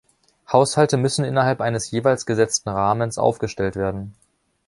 Haushalte müssen innerhalb eines jeweils gesetzten Rahmens aufgestellt werden.